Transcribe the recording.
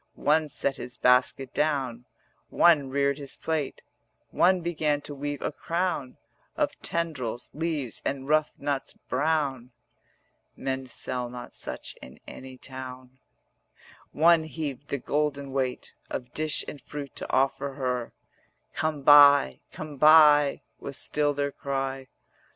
One set his basket down, One reared his plate; One began to weave a crown Of tendrils, leaves, and rough nuts brown 100 (Men sell not such in any town); One heaved the golden weight Of dish and fruit to offer her: 'Come buy, come buy,' was still their cry.